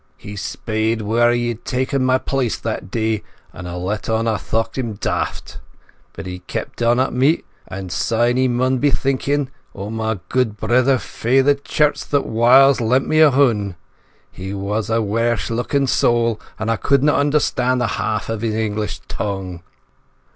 He speired whae had ta'en my place that day, and I let on I thocht him daft. But he keepit on at me, and syne I said he maun be thinkin' o' my gude brither frae the Cleuch that whiles lent me a haun'. He was a wersh lookin' sowl, and I couldna understand the half o' his English tongue."